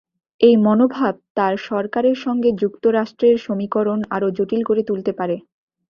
এই মনোভাব তাঁর সরকারের সঙ্গে যুক্তরাষ্ট্রের সমীকরণ আরও জটিল করে তুলতে পারে।